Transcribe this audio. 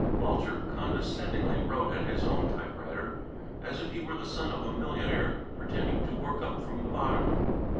Bulger condescendingly wrote at his own typewriter, as if he were the son of a millionaire pretending to work up from the bottom.